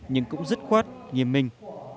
nhưng cũng dứt khoát nghiêm minh